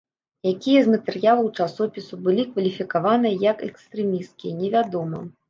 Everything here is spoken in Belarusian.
Якія з матэрыялаў часопісу былі кваліфікаваныя як экстрэмісцкія, невядома.